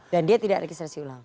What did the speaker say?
dan dia tidak registrasi ulang